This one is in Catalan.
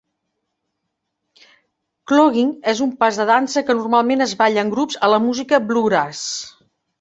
Clogging és un pas de dansa que normalment es balla en grups a la música bluegrass.